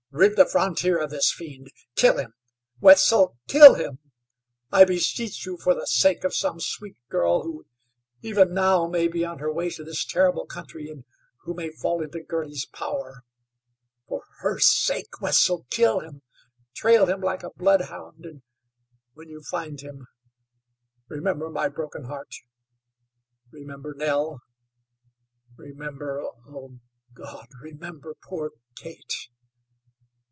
Rid the frontier of this fiend. Kill him! Wetzel, kill him! I beseech you for the sake of some sweet girl who even now may be on her way to this terrible country, and who may fall into Girty's power for her sake, Wetzel, kill him. Trail him like a bloodhound, and when you find him remember my broken heart, remember Nell, remember, oh, God! remember poor Kate!"